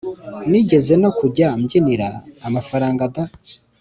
nigeze no kujya mbyinira amafaranga da!